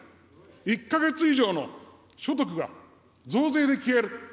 １か月以上の所得が、増税で消える。